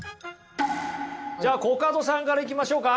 じゃあコカドさんからいきましょうか！